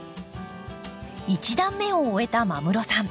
１段目を終えた間室さん